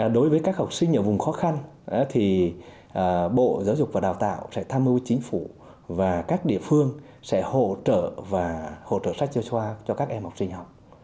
đối với các học sinh ở vùng khó khăn thì bộ giáo dục và đào tạo sẽ tham mưu chính phủ và các địa phương sẽ hỗ trợ và hỗ trợ sách giáo khoa cho các em học sinh học